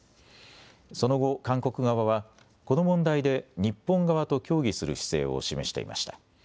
その後、韓国側はこの問題で日本側と協議する姿勢を示していました。